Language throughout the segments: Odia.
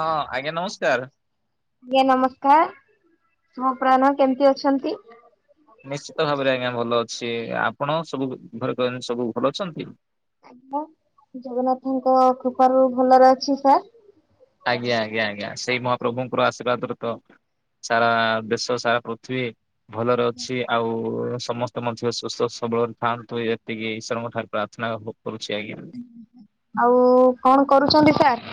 ହଁ ଆଜ୍ଞା ନମସ୍କାର ଆଜ୍ଞା ନମସ୍କାର ମୋ ପ୍ରାଣ କେମିତି ଅଛନ୍ତି ନିଶ୍ଚିତ ଭାବରେ ଆଜ୍ଞା ଭଲ ଅଛି ଆପଣ ସବୁ ଘରେ ସବୁ ଭଲ ଅଛନ୍ତି ଆଜ୍ଞା ଜଗନ୍ନାଥଙ୍କ କୃପାରୁୁ ଭଲରେ ଅଛି ସାର୍ ଆଜ୍ଞା ଆଜ୍ଞା ଆଜ୍ଞା ସେଇ ମହାପ୍ରଭୁଙ୍କର ଆଶୀର୍ବାଦରେ ତ ସାରା ଦେଶ ସାରା ପୃଥିବୀ ଭଲରେ ଅଛି ଆଉ ସମସ୍ତେ ମଧ୍ୟ ସୁସ୍ଥ ସବଳରେ ଥାଆନ୍ତୁ ଏତିକି ଈଶ୍ୱରଙ୍କ ଠାରୁ ପ୍ରାର୍ଥନା ହଉ କରୁଚି ଆଜ୍ଞା ଆଉ କଣ କରୁଛନ୍ତି ସାର୍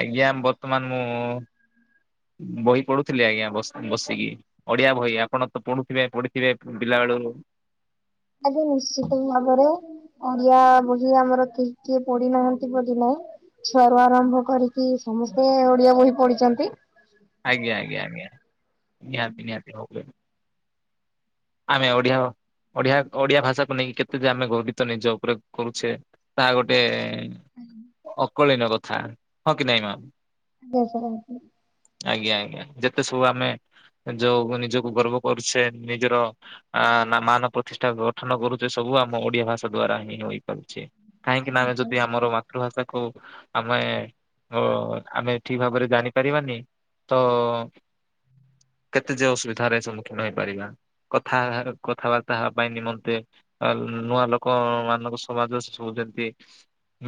ଆଜ୍ଞା ବର୍ତ୍ତମାନ ମୁଁ ବହି ପଢୁଥିଲି ଆଜ୍ଞା ବସିକି ଓଡିଆ ବହି ଆପଣ ତ ପଢୁଥିବେ ପଢିଥିବେ ପିଲା ବେଳୁ ଆଜ୍ଞା ନିଶ୍ଚିତ ଭାବରେ ଓଡିଆ ବହି ଆମର କେ କିଏ ପଢି ନାହାନ୍ତି ବୋଲି ନାଇଁ ଛୁଆରୁ ଆରମ୍ଭ କରିକି ସମସ୍ତେ ଓଡିଆ ବହି ପଢିଛନ୍ତି ଆଜ୍ଞା ଆଜ୍ଞା ଆଜ୍ଞା ନିହାତି ନିହାତି ହ ଆମେ ଓଡିଆ ଓଡିଆ ଓଡିଆ ଭାଷାକୁ ନେଇକି କେତେ ଯେ ଆମେ ଗର୍ବିତ ନିଜ ଉପରେ କରୁଛେ ତା ଗୋଟେ [inaudible] କଳିନ କଥା ହଁ କି ନାଇଁ ମ [unintelligible] ଆଜ୍ଞା ଆଜ୍ଞା ଯେତେ ସବୁ ଆମେ ଯୋଉ ନିଜକୁ ଗର୍ବ କରୁଛେ ନିଜର ଆ ନା ମାନ ପ୍ରତିଷ୍ଠା ଗଠନ କରୁଛେ ସବୁ ଆମ ଓଡିଆ ଭାଷା ଦ୍ଵାରା ହିଁ ହେଇପାରୁଛି କାହିଁକି ନା ଆମେ ଆଜ୍ଞା ଯଦି ଆମର ମାତୃଭାଷା କୁ ଆମେ ଅ ଆମେ ଠିକ୍ ଭାବରେ ଜାଣିପାରିବାନି ତ କେତେ ଯେ ଅସୁବିଧାରେ ସମ୍ମୁଖୀନ ହେଇପାରିବା କଥା କଥାବାର୍ତ୍ତା ହେବା ପାଇଁ ନିମନ୍ତେ ନୂଆ ଲୋକ ମାନଙ୍କ ସମାଜରେ ସବୁ ଯେମିତି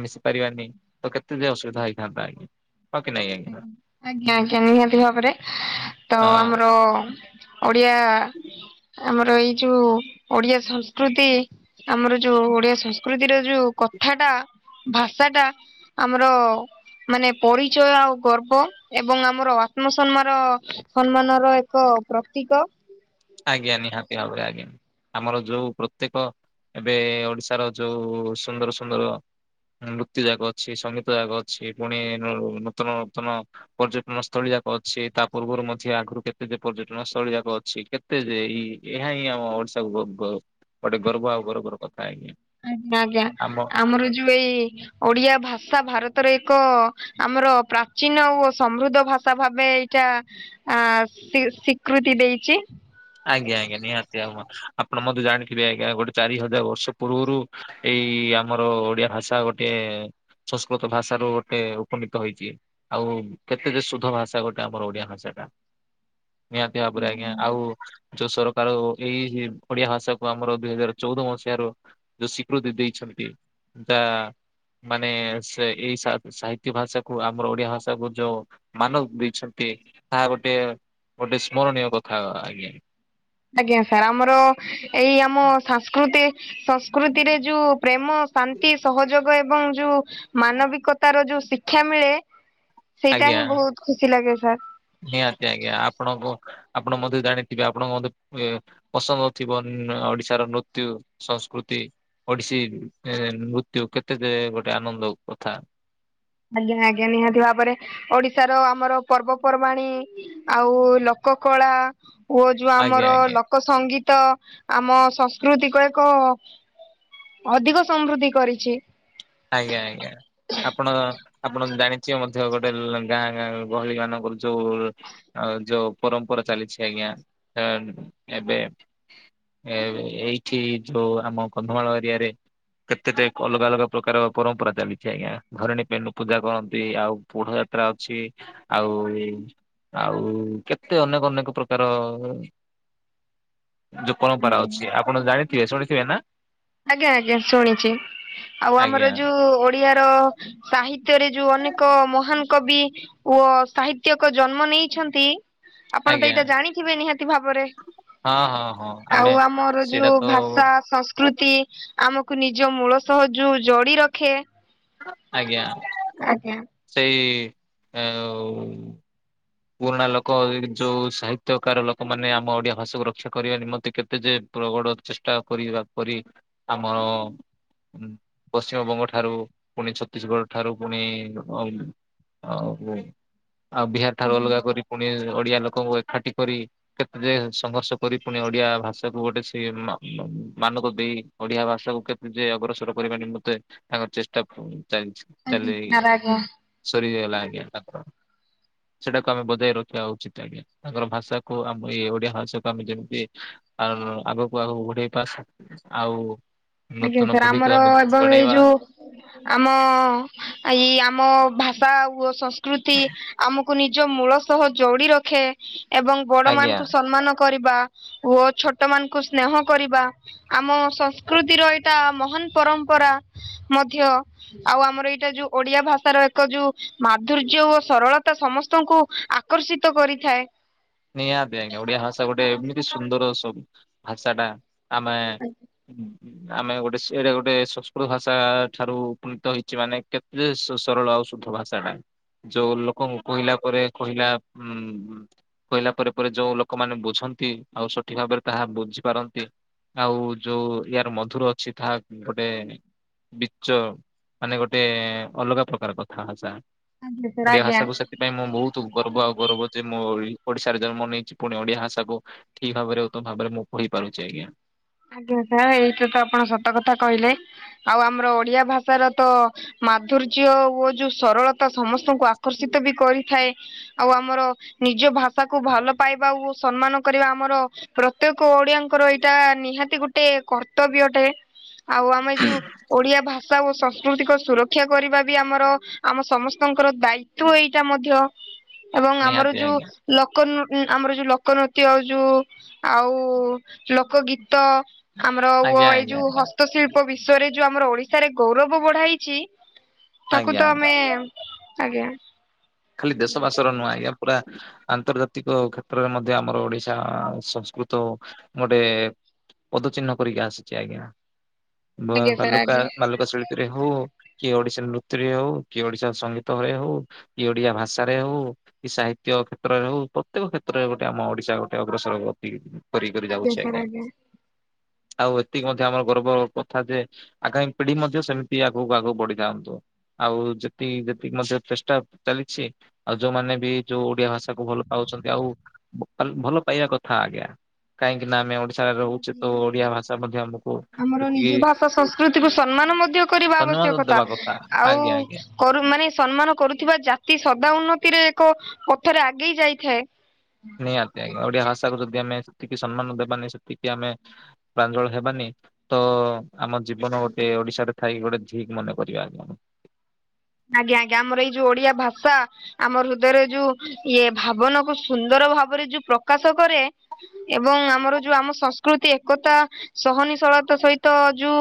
ମିଶି ପାରିବାନି ତ କେତେ ଯେ ଅସୁବିଧା ହେଇଥାନ୍ତା ଆଜ୍ଞା ହଁ କି ନାଇଁ ଆଜ୍ଞା ଆଜ୍ଞା ଆଜ୍ଞା ନିହାତି ଭାବରେ ତ ହଁ ଆମର ଓଡିଆ ଆମର ଏଇ ଯୋଉ ଓଡିଆ ସଂସ୍କୃତି ଆମର ଯୋଉ ଓଡିଆ ସଂସ୍କୃତିର ଯୋଉ କଥାଟା ଭାଷା ଟା ଆମର ମାନେ ପରିଚୟ ଆଉ ଗର୍ବ ଏବଂ ଆମର ଆତ୍ମସନ୍ମାନ ସମ୍ମାନର ଏକ ପ୍ରତୀକ ଆଜ୍ଞା ନିହାତି ଭାବରେ ଆଜ୍ଞା ଆମର ଯୋଉ ପ୍ରତ୍ୟେକ ଏବେ ଓଡିଶାର ଯୋଉ ସୁନ୍ଦର ସୁନ୍ଦର ନୃତ୍ୟ ଯାକ ଅଛି ସଙ୍ଗୀତ ଯାକ ଅଛି ପୁଣି ନୂତନ ନୂତନ ପର୍ଯ୍ୟଟନ ସ୍ଥଳୀ ଯାକ ଅଛି ତା ପୂର୍ବରୁ ମଧ୍ୟ ଆଗରୁ କେତେ ଯେ ପର୍ଯ୍ୟଟନ ସ୍ଥଳୀ ଯାକ ଅଛି କେ ତେ ଯେ ଏହା ହିଁ ଆମ ଓଡିଶାକୁ ଗ ଗୋଟେ ଗର୍ବ ଆଉ ଗର୍ବର କଥା ଆଜ୍ଞା ଆଜ୍ଞା ଆଜ୍ଞା ଆମ ଆମର ଯୋଉ ଏଇ ଓଡିଆ ଭାଷା ଭାରତର ଏକ ଆମର ପ୍ରାଚୀନ ଓ ସମୃଦ୍ଧ ଭାଷା ଭାବେ ଏଇଟା ଆ ସୀ ସ୍ଵୀକୃତି ଦେଇଛି ଆଜ୍ଞା ଆଜ୍ଞା ନିହାତି ଆଉ ଆପଣ ମତେ ଜାଣିଥିବେ ଆଜ୍ଞା ଗୋଟେ ଚାରି ହଜାର ବର୍ଷ ପୂର୍ବରୁ ଏଇ ଆମର ଓଡିଆ ଭାଷା ଗୋଟେ ସଂସ୍କୃତ ଭାଷ ରୁ ଗୋଟେ ଉପନୀତ ହେଇଛି। ଆଉ କେତେ ଯେ ଶୁଧ ଭାଷା ଗୋଟେ ଆମର ଓଡିଆ ଭାଷା ଟା ନିହାତି ଭାବରେ ଆଜ୍ଞା ଆଉ ଯୋଉ ସରକାର ଏଇ ଓଡିଆ ଭାଷା କୁ ଆମର ଦୁଇ ହଜାର ଚଉଦ ମସିହାରୁ ଯୋଉ ସୀକୃତି ଦେଇଛନ୍ତି ତା ମାନେ ସେ ଏଇ ସାହିତ୍ୟ ଭାଷା କୁ ଆମର ଓଡିଆ ଭାଷା କୁ ଯୋଉ ମାନ ଦେଇଛନ୍ତି ତାହା ଗୋଟେ ଗୋଟେ ସ୍ମରଣୀୟ କଥା ଆଜ୍ଞା ଆଜ୍ଞା ସାର୍ ଆମର ଏଇ ଆମ ସାଂସ୍କୃତି ସଂସ୍କୃତିରେ ଯୋଉ ପ୍ରେମ, ଶାନ୍ତି, ସହଯୋଗ ଏବଂ ଯୋଉ ମାନବିକତାର ଯୋଉ ଶିକ୍ଷା ମିଳେ ସେଇଟା ଆଜ୍ଞା ହିଁ ବହୁତ ଖୁସି ଲାଗେ ସାର୍ ନିହାତି ଆଜ୍ଞା ଆପଣଙ୍କ ଆପଣ ମତେ ଜାଣିଥିବେ ଆପଣଙ୍କ ମତେ ପସନ୍ଦ ଥିବ ଓଡିଶାର ନୃତ୍ୟ, ସଂସ୍କୃତି ଓଡିଶୀ ନୃତ୍ୟୁ କେତେ ଗୋଟେ ଆନନ୍ଦ କଥା ଆଜ୍ଞା ଆଜ୍ଞା ନିହାତି ଭାବରେ ଓଡିଶାର ଆମର ପର୍ବପର୍ବାଣୀ ଆଉ ଲୋକ କଳା ଓ ଯୋଉ ଆଜ୍ଞା ଆମର ଆଜ୍ଞା। ଲୋକ ସଙ୍ଗୀତ ଆମ ସଂସ୍କୃତିକ ଏକ ଅଧିକ ସମୃଦ୍ଧି କରିଛି। ଆଜ୍ଞା ଆଜ୍ଞା ଆପଣ ଆପଣ ଜାଣିଛେ ମଧ୍ୟ ଗୋଟେ ଗାଁ ଗଁ ଗହଳି ମାନଙ୍କର ଯୋଉ ଆଉ ଯୋଉ ପରମ୍ପରା ଚାଲିଛି ଆଜ୍ଞା ଏବେ ଏ ଏଇଠି ଯୋଉ ଆମ କନ୍ଧମାଳ ଏରିଆରେ କେତେଟେ ଅଲଗା ଅଲଗା ପ୍ରକାର ପରମ୍ପରା ଚାଲିଛି ଆଜ୍ଞା ଘରେଣୀ ପେ ପୂଜା କରନ୍ତି ଆଉ ପୋଢ ଯାତ୍ରା ଅଛି। ଆଉ ଆଉ କେତେ ଅନେକ ଅନେକ ପ୍ରକାର ଯୋଉ ପରମ୍ପରା ଅଛି ଆପଣ ଜାଣିଥିବେ ଶୁଣିଥିବେ ନା? ଆଜ୍ଞା ଆଜ୍ଞା ଶୁଣିଛି ଆଉ ଆଜ୍ଞା ଆମର ଯୋଉ ଓଡିଆ ର ସାହିତ୍ୟରେ ଯୋଉ ଅନେକ ମହାନ୍ କବି ଓ ସାହିତ୍ୟକ ଜନ୍ମ ନେଇଛନ୍ତି। ଆପଣ ତ ଆଜ୍ଞା ଏଇଟା ଜାଣିଥିବେ ନିହାତି ଭାବରେ ହଁ ହଁ ହଁ ଆମେ ଆଉ ଆମର ସେଇଟା ଯୋଉ ତ ଭାଷା ସଂସ୍କୃ ତି ଆମକୁ ନିଜ ମୂଳ ସହ ଯୋଉ ଜଡି ରଖେ। ଆଜ୍ଞା ଆଜ୍ଞା। ସେଇ ପୁରୁଣା ଲୋକ ଯୋଉ ସାହିତ୍ୟକାର ଲୋକମାନେ ଆମ ଓଡିଆ ଭାଷାକୁ ରକ୍ଷା କରିବା ନିମନ୍ତେ କେତେ ଯେ ପ୍ରଗଡ ଚେଷ୍ଟା କରିବା କରି ଆମର ପଶ୍ଚିମବଙ୍ଗ ଠାରୁ ପୁଣି ଛତିଶଗଡ ଠାରୁ ପୁଣି ଆଉ ଆଉ ବିହାର ଠାରୁ ଅଲଗା କରି ପୁଣି ଓଡିଆ ଲୋକଙ୍କୁ ଏକାଠି କରି କେତେ ଯେ ସଂଘର୍ଷ କରି ପୁଣି ଓଡିଆ ଭାଷା କୁ ଗୋଟେ ସେ ମା ମାନକ ଦେଇ ଓଡିଆ ଭାଷାକୁ କେତେ ଯେ ଅଗ୍ରସର କରିବା ନିମତେ ତାଙ୍କର ଚେଷ୍ଟା ଚାଲିଚି। ଆଜ୍ଞା। ଚାଲେଇ ସାର୍ ଆଜ୍ଞା ସରିଗଲା ଆଜ୍ଞା। ସେଇଟାକୁ ଆମେ ବଜାଇ ରଖିବା ଉଚିତ ଆଜ୍ଞା ତାଙ୍କର ଭାଷାକୁ ଆମ ଏଇ ଓଡିଆ ଭାଷାକୁ ଆମେ ଯେମିତି ଆର ଆଗକୁ ଆଗକୁ ବଢେଇବା ଆଉ। ଆଜ୍ଞା ନୂତନ ସାର୍ ପିଢିକୁ ଆମର ଆମେ ଏବଂ ଏଇ ଜଣେଇବା ଯୋଉ ଆମ ଏଇ ଆମ ଭାଷା ଓ ସଂସ୍କୃ ତି ଆମକୁ ନିଜ ମୂଳ ସହ ଯୋଡି ରଖେ ଏବଂ ବଡ ଆଜ୍ଞା। ମାନଙ୍କୁ ସମ୍ମାନ କରିବା। ଓ ଛୋଟ ମାନଙ୍କୁ ସ୍ନେହ କରିବା ଆମ ସ୍ ସଂସ୍କୃତିର ଏଇଟା ମହାନ ପରମ୍ପରା ମଧ୍ୟ। ଆଉ ଆମର ଏଇଟା ଯୋଉ ଓଡିଆ ଭାଷାର ଏକ ଯୋଉ ମାଧୁର୍ଯ୍ୟ ଓ ସରଳତା ସମସ୍ତଙ୍କୁ ଆକର୍ଷିତ କରିଥାଏ। ନିହାତି ଆଜ୍ଞା ଓଡିଆ ଭାଷା ଗୋଟେ ଏମିତି ସୁନ୍ଦର ସବୁ ଭାଷାଟା ଆମେ। ଆଜ୍ଞା। ଆମେ ଗୋଟେ ଏଇଟା ଗୋଟେ ସଂସ୍କୃତ ଭାଷା ଠାରୁ ଉପୁନୀତ ହେଇଛି ମାନେ କେ ଯେ ସରଳ ଆଉ ଶୁଦ୍ଧ ଭାଷା ଟା। ଯୋଉ ଲୋକଙ୍କୁ କହିଲା ପରେ କହିଲା ଉ କହିଲା ପରେ ପରେ ଯୋଉ ଲୋକମାନେ ବୁଝନ୍ତି ଆଉ ସଠିକ ଭାବରେ ତାହା ବୁଝି ପାରନ୍ତି। ଆଉ ଯୋଉ ୟାର ମଧୁର ଅଛି ତାହା ଗୋଟେ ବିଚ ମାନେ ଗୋଟେ ଅଲଗା ପ୍ରକାର କଥା ଭାଷା। ଆଜ୍ଞା ସାର୍ ଓଡିଆ ଆଜ୍ଞା। ଭାଷାକୁ ସେଥିପାଇଁ ମୁଁ ବହୁତ ଗର୍ବ ଆଉ ଗୌରବ ଯେ ମୋରି ଓଡିଶାରେ ଜନ୍ମ ନେଇଛି ପୁଣି ଓଡିଆ ଭାଷାକୁ ଠିକ ଭାବରେ ଉଧ ଭାବରେ ମୁଁ ପଢିପାରୁଛି ଆଜ୍ଞା। ଆଜ୍ଞା ସାର୍ ଏଇଟା ତ ଆପଣ ସତ କଥା କହିଲେ ଆଉ ଆମର ଓଡିଆ ଭାଷାର ତ ମାଧୁର୍ଯ୍ୟ ଓ ଯୋଉ ସରଳତା ସମସ୍ତଙ୍କୁ ଆକର୍ଷିତ ବି କରିଥାଏ। ଆଉ ଆମର ନିଜ ଭାଷାକୁୁ ଭଲ ପାଇବା ଓ ସମ୍ମାନ କରିବା ଆମର ପ୍ରତ୍ୟେକ ଓଡିଆଙ୍କର ଏଇଟା ନିହାତି ଗୋଟେ କର୍ତ୍ତବ୍ୟଟେ ଆଉ ଆମେ ଯୋଉ ଓଡିଆ ଭାଷା ଭଷା ଓ ସଂସ୍କୃତିକ ସୁରକ୍ଷା କରିବା ବି ଆମର ଆମ ସମସ୍ତଙ୍କର ଦାୟିତ୍ୱ ଏଇଟା ମଧ୍ୟ ଏବଂ ଆମର ନିହାତି ଯୋଉ ଆଜ୍ଞା ଲୋକ ନୃ ଆମର ଯୋଉ ଲୋକ ନୃତ୍ୟ ଆଉ ଯୋଉ ଆଉ ଲୋକ ଗୀତ ତ ଆମର ଓ ଆଜ୍ଞା ଏଇ ଆଜ୍ଞା ଯୋଉ ଆଜ୍ଞା ହସ୍ତଶିଳ୍ପ ବିଶ୍ଵରେ ଯୋଉ ଆମର ଓଡିଶାରେ ଗୌରବ ବଢାଇଛି ତାକୁ ଆଜ୍ଞା ତ ଆଜ୍ଞା ଆମେ ଆଜ୍ଞା। ଖାଲି ଦେଶବାସ ର ନୁହଁ ଆଜ୍ଞା ପୁରା ଆନ୍ତର୍ଜାତିକ କ୍ଷେତ୍ରରେ ମଧ୍ୟ ଆମର ଓଡିଶା ସଂସ୍କୃତ ଗୋଟେ ପଦଚିହ୍ନ ପରିକା ଆସିଛି ଆଜ୍ଞା ଆଜ୍ଞା ସାର୍ ବାଲୁକା ଆଜ୍ଞା ବାଲୁକା ଶିଳ୍ପୀ ରେ ହଉ କିଏ ଓଡିଶା ନୃତ୍ୟରେ ହଉ କିଏ ଓଡିଶା ସଙ୍ଗୀତରେ ହଉ କି ଓଡିଆ ଭାଷାରେ ହଉ କି ସାହିତ୍ୟ କ୍ଷେତ୍ରରେ ହଉ ପ୍ରତ୍ୟେକ କ୍ଷେତ୍ରରେ ଗୋଟେ ଆମ ଓଡିଶା ଗୋଟେ ଅଗ୍ରସର ଗତି କରି କରି ଯାଉଛି ଆଜ୍ଞା ଆଉ ଏତିକି ମଧ୍ୟ ଆମର ଗର୍ବ କଥା ଯେ ଆଗାମ ପିଢି ମଧ୍ୟ ସେମିତି ଆଗକୁ ଆଗକୁ ବଢିଥାନ୍ତୁ ଆଉ ଯେତିକି ଯେତିକି ମଧ୍ୟ ଚେଷ୍ଟା ଚାଲିଛି ଆଉ ଯୋଉମାନେ ବି ଯୋଉ ଓଡିଆ ଭାଷା କୁ ଭଲ ପାଉଛନ୍ତି ଆଉ ଭଲ ପାଇବା କଥା।। ହଁ ଆଜ୍ଞା କାହିଁକି ନା ଆମେ ରହୁଛେ ତ ଓଡିଆ ଭାଷା ମଧ୍ୟ ଆମକୁ ଆମର ସେତିକି ନିଜ ଭାଷା ସଂସ୍କୃତିକୁୁ ସମ୍ମାନ ମଧ୍ୟ କରିବା ସମ୍ମାନ ଆବଶ୍ୟକତା ଦେବା କଥା ଆଉ ଆଜ୍ଞା ଆଜ୍ଞା। କର ମାନେ ସମ୍ମାନ କରୁଥିବା ଜାତି ସଦା ଉନ୍ନତିରେ ଏକ ପଥରେ ଆଗେଇ ଯାଇଥାଏ। ନିହାତି ଆଜ୍ଞା ଓଡିଆ ଭାଷା କୁ ଯଦି ଆମେ ସେତିକି ସମ୍ମାନ ଦେବାନି ସେତିକି ଆମେ ପ୍ରାଞ୍ଜଳ ହେବାନି ତ ଆମ ଜୀବନ ଗୋଟେ ଓଡିଶାରେ ଥାଇକି ଗୋଟେ ଧିକ ମନେ କରିବା ଆଜ୍ଞା। ଆଜ୍ଞା ଆଜ୍ଞା ଆମର ଏଇ ଯୋଉ ଓଡିଆ ଭାଷା ଆମ ହୃଦୟରେ ଯୋଉ ଇଏ ଭାବନା କୁ ସୁନ୍ଦର ଭାବରେ ଯୋଉ ପ୍ରକାଶ କରେ। ଏବଂ ଆମର ଯୋଉ ଆମ ସଂସ୍କୃତି ଏକତା ସହନିଶିଳତା ସହିତ ଯୁ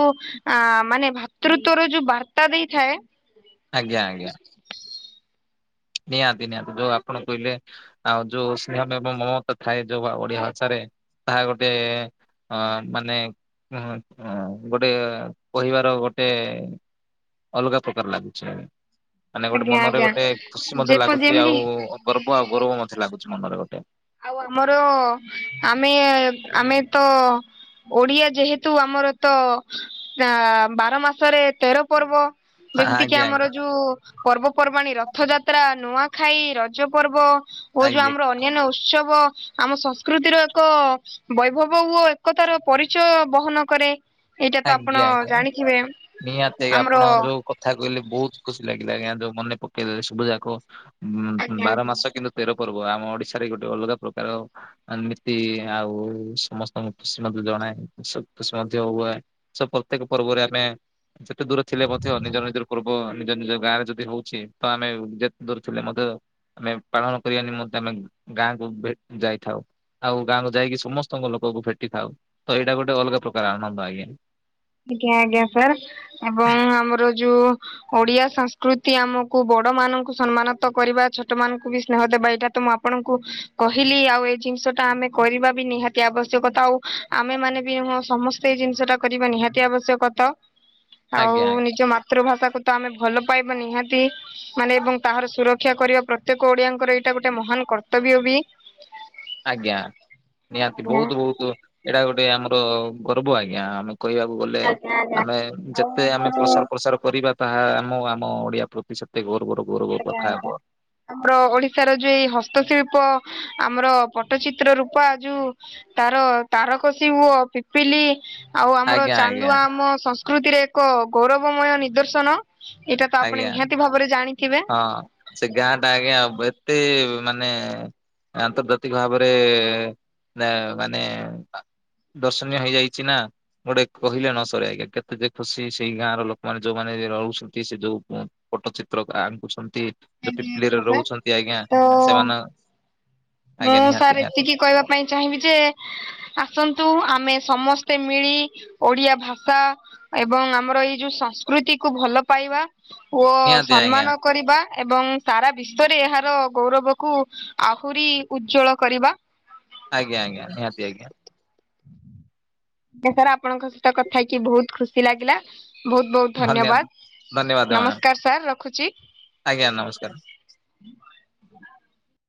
ଆ ମାନେ ଭ୍ରାତୃତ୍ଵର ଯୋଉ ବାର୍ତ୍ତା ଦେଇଥାଏ। ଆଜ୍ଞା ଆଜ୍ଞା। ନିହାତି ନିହାତି ଯୋଉ ଆପଣ କହିଲେ। ଆଉ ଯୋଉ ସ୍ନେହ ଏବଂ ମମତ ଥାଏ ଯୋଉ ଓଡିଆ ଭାଷାରେ ତାହା ଗୋଟେ ଅ ମାନେ ଗୋଟେ କହିବାର ଗୋଟେ ଅଲଗା ପ୍ରକାର ଲାଗୁଛି ମାନେ ଗୋଟେ ଆଜ୍ଞା ମନରେ ଆଜ୍ଞା ଗୋଟେ ଖୁସି ମଧ୍ୟ ଯେପ ଲାଗୁଛି ଆଉ ଯେମିତି ଗର୍ବ ଆଉ ଗୌରବ ମଧ୍ୟ ଲାଗୁଛି ମନରେ ଗୋଟେ। ଆଉ ଆମର ଆମେ ଆମେ ତ ଓଡିଆ ଯେହେତୁ ଆମର ତ ବାର ମାସରେ ତେର ପର୍ବ। ଯେମିତି କିି ଆଜ୍ଞା ଆଜ୍ଞା। ଆମର ଯୋଉ ପର୍ବପର୍ବାଣିୀ ରଥଯାତ୍ରା ନୂଆଖାଇ ରଜ ପର୍ବ ଓ ଯୋଉ ଆଜ୍ଞା ଆମର ଅନ୍ୟାନ୍ୟ ଉ ଉତ୍ସବ ଆମ ସଂସ୍କୃତିର ଏକ ବୈଭବ ଓ ଏକତାର ପରିଚୟ ବହନ କରେ। ଏଇଟା ତ ଆଜ୍ଞା ଆପଣ ଆଜ୍ଞା ଜାଣିଥିବେ ନିହାତି ଆଜ୍ଞା ଆପଣ ଆମର ଯୋଉ କଥା କହିଲେ ବହୁତ ଖୁସି ଲାଗିଲା ଆଜ୍ଞା ଯୋଉ ମନେ ପକେଇ ଦେେଲେ ସବୁ ଯାକ ଆଜ୍ଞା ବାର ଆଜ୍ଞା। ମାସ କିନ୍ତୁ ତେର ପର୍ବ ଆମ ଓଡିଶାରେ ଗୋଟେ ଅଲଗା ପ୍ରକାର ଏମିତି ଆଉ ସମସ୍ତଙ୍କୁ ଖୁସି ମଧ୍ୟ ଜଣାଏ ଖୁସି ମଧ୍ୟ ହୁଏ ସେ ପ୍ରତ୍ୟେକ ପର୍ବରେ ଆମେ ଯେତେ ଦୂର ଥିଲେ ମଧ୍ୟ ନିଜ ନିଜର ପୂର୍ବ ନିଜ ନିଜ ଗାଁରେ ଯଦି ହଉଛି ତ ଆମେ ଯେତେ ଦୂର ଥିଲେ ମଧ୍ୟ ଆମେ ପାଳନ କରିବା ନିମନ୍ତେ ଆମେ ଗାଁକୁ ଯାଇଥାଉ। ଆଉ ଗାଁକୁ ଯାଇକି ସମସ୍ତଙ୍କ ଲୋକକୁ ଭେଟି ଥାଉ ତ ଏଇଟା ଗୋଟେ ଅଲଗା ପ୍ରକାର ଆନନ୍ଦ ଆଜ୍ଞା। ଆଜ୍ଞା ଆଜ୍ଞା ସାର୍ ଏବଂ ଆମର ଯୋଉ ଓଡିଆ ସଂସ୍ କୃତି ଆମକୁ ବଡ ମାନଙ୍କୁ ସମ୍ମାନ ତ କରିବା ଛୋଟ ମାନଙ୍କୁ ବି ସ୍ନେହ ଦେବା ଏଇଟା ତ ମୁଁ ଆପଣଙ୍କୁ କହିଲି ଆଉ ଏଇ ଜିନିଷ ଟା ଆମେ କରିବା ବି ନିହାତି ଆବଶ୍ୟକତା ଆଉ ଆମେ ମାନେ ବି ସମ ସେଇ ଜିନିଷ ଟା କରିବା ନିହାତି ଆବଶ୍ୟକତ ଆଉ ଆଜ୍ଞା ନିଜ ମା ମାତୃଭାଷା କୁ ତ ଆମେ ଭଲ ପାଇବା ନିହାତି ମାନେ ଏବଂ ତାହାର ସୁରକ୍ଷା କରିବା ପ୍ରତ୍ୟେକ ଓଡିଆଙ୍କର ଏଇଟା ଗୋଟେ ମହାନ କର୍ତ୍ତବ୍ୟ ବି। ଆଜ୍ଞା ନିହାତି ଆଜ୍ଞା ବହୁତ ବହୁତ ଏଇଟା ଗୋଟେ ଆମର ଗର୍ବ ଆଜ୍ଞା ଆମେ କହିବାକୁ ଗଲେ ଆମେ ଆଉ ଯେତେ ଆମେ ଏବଂ ପ୍ରସାର ପ୍ରସାର କରିବା ତାହା ଆମ ଆମ ଓଡିଆ ପ୍ରତି ସେତେ ଗୌରବର ଗୌରବ କଥା ହେବ। ଆମର ଓଡିଶାର ଯୋଉ ଏଇ ହସ୍ତଶିଳ୍ପ ଆମର ପଟ୍ଟଚିତ୍ର ରୂପା ଯୋଉ ତାର ତାରକସିୀ ହୁଅ ପିପିଲି ଆଉ ଆମର ଆଜ୍ଞା ଆଜ୍ଞା ଚାନ୍ଦୁଆ ଆମ ସଂସ୍କୃତିରେ ଏକ ଗୌରବମୟ ନିଦର୍ଶନ। ଏଇଟା ତ ଆପଣ ଆଜ୍ଞା ନିହାତି ଭାବରେ ଜାଣି ହଁ ସେ ଗାଁଟା ଆଜ୍ଞା ଏତେ ମାନେ ଆନ୍ତର୍ଜାତିକ ଭାବରେ ମାନେ ଦର୍ଶନୀୟ ହେଇଯାଇଛି ନା। ଗୋଟେ କହିଲେ ନ ସର ଆଜ୍ଞା କେତେ ଯେ ଖୁସି ସେଇ ଗାଁର ଲୋକମାନେ ଯୋଉମାନେ ରହୁଛନ୍ତି ସେ ଯୋଉ ଫଟୋ ଚିତ୍ର ଆଙ୍ଗୁଛନ୍ତି ଯଉ ଆଜ୍ଞା ପିପିଲରେ ଆଜ୍ଞା ସାର୍ ରହୁଛନ୍ତି ଆଜ୍ଞା ତ ସେମାନେ ମୁଁ ଆଜ୍ଞା ନିହାତି ସାର୍ ନିହାତି ଏତିକି କହିବା ପାଇଁ ଚାହିଁବି ଯେ ଆସନ୍ତୁ ଆମେ ସମସ୍ତେ ମିଳି ଓଡିଆ ଭାଷା ଏବଂ ଆମର ଏଇ ଯୋଉ ସଂସ୍କୃତି କୁ ଭଲ ପାଇବା ଓ ନିହାତି ଆଜ୍ଞା ସମ୍ମାନ କରିବା ଏବଂ ସାରା ବିଶ୍ୱରେ ଏହାର ଗୌରବକୁ ଆହୁରି ଉଜ୍ଜ୍ୱଳ କରିବା। ଆଜ୍ଞା ଆ୍ଞା ନିହାତି ଆ୍ଞା। ଆଜ୍ଞା ସାର୍ ଆପଣଙ୍କ ସହିତ କଥା ହେଇକି ବହୁତ ଖୁସି ଲାଗିଲା। ବହୁତ ବହୁତ ଧନ୍ୟବାଦ ନମସ୍କାର ସାର୍ ରଖୁଛି। ଆଜ୍ଞା ନମସ୍କାର।